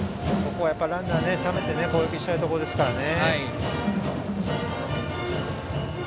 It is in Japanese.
ここはランナーをためて攻撃したいところですからね。